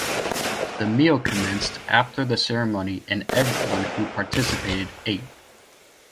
The meal commenced after the ceremony and everyone who participated ate.